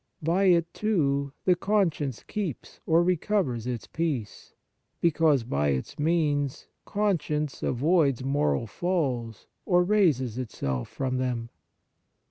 By it, too, the conscience keeps or recovers its peace, because, by its means, conscience avoids moral falls or raises itself from them.